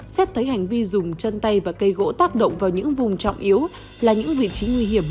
xét thấy hành vi dùng chân tay và cây gỗ tác động vào những vùng trọng yếu là những vị trí nguy hiểm